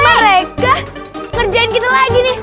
mereka ngerjain kita lagi nih